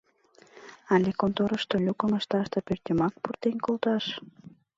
— Але конторышто люкым ышташ да пӧртйымак пуртен колташ?